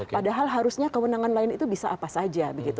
padahal harusnya kewenangan lain itu bisa apa saja